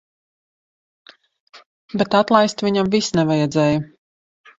Bet atlaist viņam vis nevajadzēja.